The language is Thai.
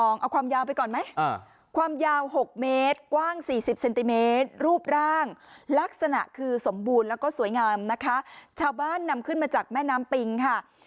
นะคะชาวบ้านนำขึ้นมาจากแม่น้ำปิงค่ะ